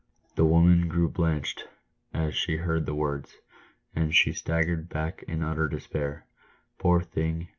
The woman grew blanched as she heard the words, and she stag gered back in utter despair. Poor thing